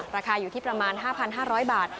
ราคาอยู่ที่ประมาณ๕๕๐๐บาท